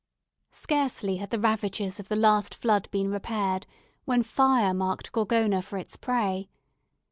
Scarcely had the ravages of the last flood been repaired when fire marked Gorgona for its prey.